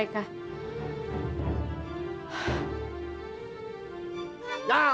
tika didi abdul